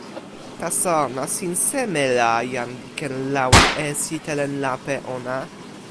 taso nasin seme la jan li ken lawa e sitelen lape ona?